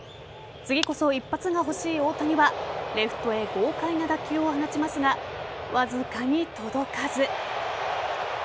次こそ一発が欲しい大谷はレフトへ豪快な打球を放ちますがわずかに届かず。